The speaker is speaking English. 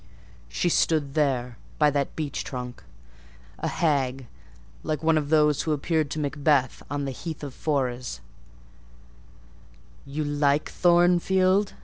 She stood there, by that beech trunk—a hag like one of those who appeared to Macbeth on the heath of Forres. 'You like Thornfield?